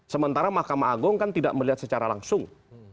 sementara mahkamah agung kan tidak melihat secara langsung